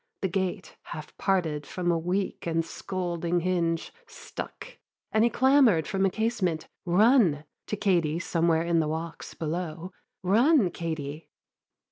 The gate, Half parted from a weak and scolding hinge, Stuck; and he clamour'd from a casement, "run" To Katie somewhere in the walks below, "Run, Katie!"